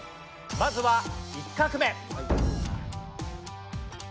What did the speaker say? まずは１画目。